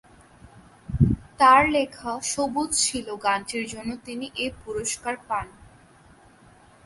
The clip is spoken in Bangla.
তার লেখা ‘সবুজ ছিল’ গানটির জন্য তিনি এ পুরস্কার পান।